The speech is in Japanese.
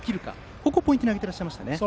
ここをポイントに挙げていらっしゃいましたね。